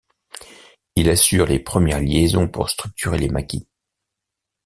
Il assure les premières liaisons pour structurer les maquis.